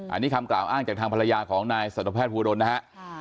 อันนี้คำกล่าวอ้างจากทางภรรยาของนายสัตวแพทย์ภูดลนะฮะ